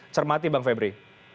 cermati bang febri